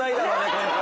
今回。